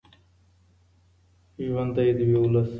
ژوندی دې وي ولس.